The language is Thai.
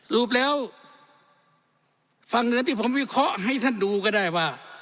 รูปแล้วฝั่งเหนือที่ผมวิเคราะห์ให้ท่านดูก็ได้ว่า